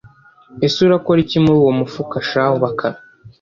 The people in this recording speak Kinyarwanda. Ese urakora iki muri uwo mufuka shahu Bakame